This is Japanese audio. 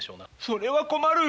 それは困る！